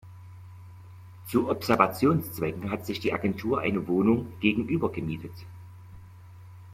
Zu Observationszwecken hat sich die Agentur eine Wohnung gegenüber gemietet.